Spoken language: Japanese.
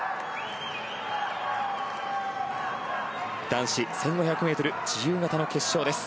男子１５００ｍ自由形の決勝です。